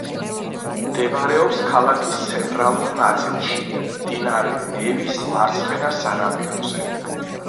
მდებარეობს ქალაქის ცენტრალურ ნაწილში, მდინარე ნევის მარცხენა სანაპიროზე.